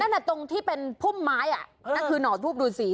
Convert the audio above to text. นั่นแหละตรงที่เป็นพุ่มไม้นั่นคือหน่อทูบหรือสี